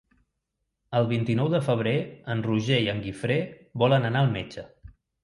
El vint-i-nou de febrer en Roger i en Guifré volen anar al metge.